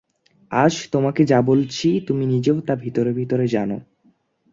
আজ তোমাকে যা বলছি তুমি নিজেও তা ভিতরে ভিতরে জান।